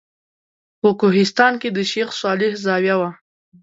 په کوهستان کې د شیخ صالح زاویه وه.